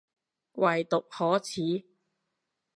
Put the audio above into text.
偽毒可恥